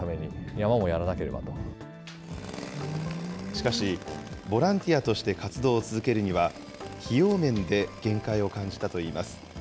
しかし、ボランティアとして活動を続けるには、費用面で限界を感じたといいます。